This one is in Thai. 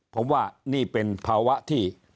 ผมว่านี่เป็นภาวะที่